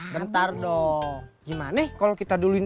bentar dong gimana kalau kita duluin